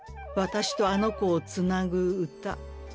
私とあの子をつなぐ詩。